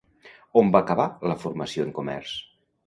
On va acabar la formació en Comerç?